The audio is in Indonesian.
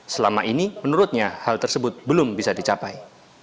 selama ini menurutnya hal tersebut belum bisa dicapai